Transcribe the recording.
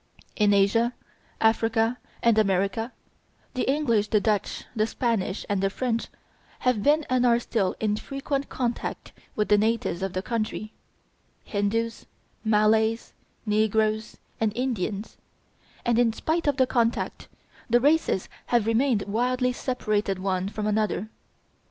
In Asia, Africa, and America, the English, the Dutch, the Spanish, and the French have been and are still in frequent contact with the natives of the country Hindoos, Malays, Negroes, and Indians; and, in spite of this contact, the races have remained widely separated one from another.